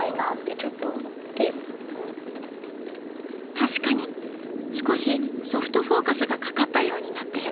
確かに少しソフトフォーカスがかかったようになってる！